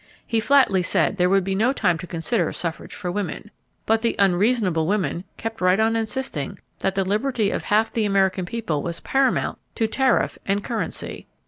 He flatly said there would be no time to consider suffrage for women. But the "unreasonable" women kept right on insisting that the liberty of half the American people was paramount to tariff and currency.